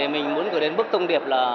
mình muốn gửi đến bức thông điệp là